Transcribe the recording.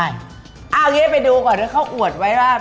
เอาอย่างนี้ไปดูเพราะเดี๋ยวเขาอวดไว้ว่า